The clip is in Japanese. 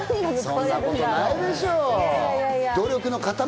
そんなことないでしょ！